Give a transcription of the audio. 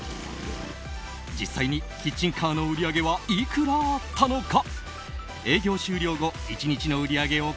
実際にキッチンカーの売り上げはいくらあったのか。